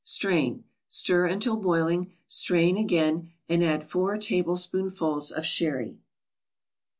Strain. Stir until boiling, strain again and add four tablespoonfuls of sherry.